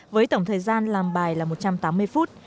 với tổng thời gian làm bài là một trăm tám mươi phút